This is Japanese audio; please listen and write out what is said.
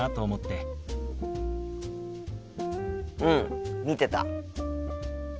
うん見てた。